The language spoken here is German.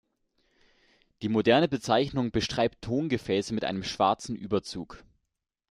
Die moderne Bezeichnung beschreibt Tongefäße mit einem schwarzen Überzug.